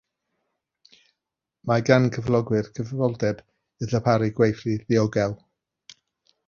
Mae gan gyflogwyr gyfrifoldeb i ddarparu gweithle diogel.